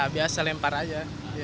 biasa lempar aja